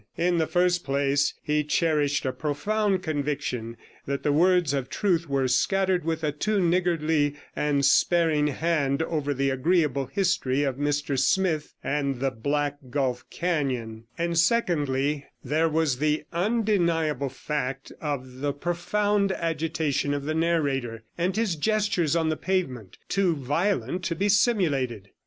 In the first place, he cherished a profound conviction that the words of truth were scattered with a too niggardly and sparing hand over the agreeable history of Mr Smith and the Black Gulf Canon; and secondly, there was the undeniable fact of the profound agitation of the narrator, and his gestures on the pavement, too violent to be simulated.